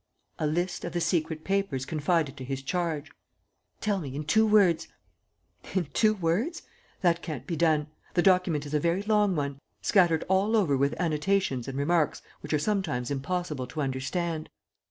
"A list of the secret papers confided to his charge." "Tell me, in two words. ..." "In two words? That can't be done. The document is a very long one, scattered all over with annotations and remarks which are sometimes impossible to understand.